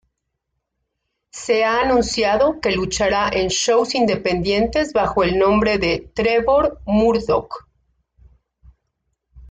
Se ha anunciado que luchará en shows independientes bajo el nombre de Trevor Murdock.